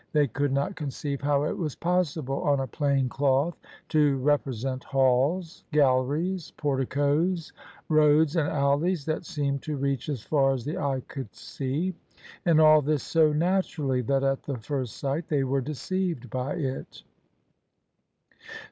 They could not conceive how it was possible on a plain cloth to represent halls, galleries, porticoes, roads, and alleys that seemed to reach as far as the eye could see, and all this so natu rally that at the first sight they were deceived by it.